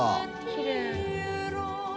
きれい。